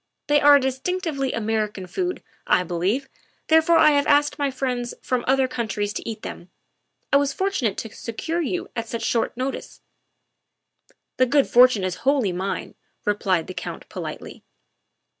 They are a distinctively American food, 14 THE WIFE OF I believe, therefore I have asked my friends from other countries to eat them. I was fortunate to secure you at such short notice." " The good fortune is wholly mine," replied the Count politely.